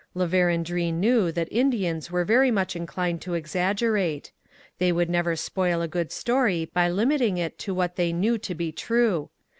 La Vérendrye knew that Indians were very much inclined to exaggerate. They would never spoil a good story by limiting it to what they knew to be true.